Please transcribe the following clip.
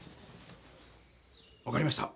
分かりました。